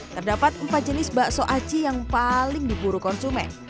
terdapat empat jenis bakso aci yang paling diburu konsumen